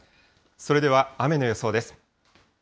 それでは、雨の予想です。